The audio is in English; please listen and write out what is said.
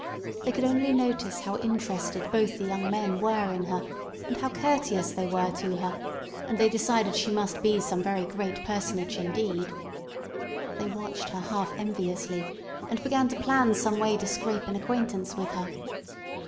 They could only notice how interested both the young men were in her, and how courteous they were to her; and they decided she must be some very great personage indeed. They watched her half enviously, and began to plan some way to scrape an acquaintance with her.